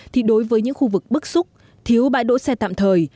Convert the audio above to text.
thì đối với những khu vực bức xúc thiếu bãi đỗ xe tạm thời